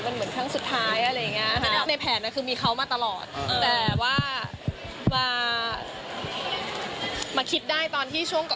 มันเหมือนทั้งสุดท้ายอะไรอย่างเงี้ยครับในแผนน่ะคือมีเขามาตลอดแต่ว่ามาคิดได้ตอนที่ช่วงก่อน